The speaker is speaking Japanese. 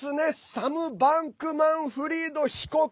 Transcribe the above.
サム・バンクマンフリード被告。